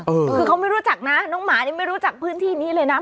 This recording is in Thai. คือเขาไม่รู้จักนะน้องหมานี่ไม่รู้จักพื้นที่นี้เลยนะ